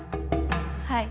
はい。